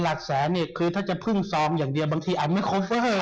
หลักแสนนี่คือถ้าจะพึ่งซ้อมอย่างเดียวบางทีไม่ควรเพิ่มแรง